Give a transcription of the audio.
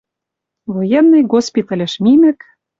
Военный госпитальыш мимӹк